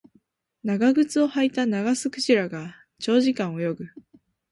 長靴を履いたナガスクジラが長時間泳ぐ